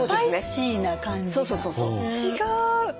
違う！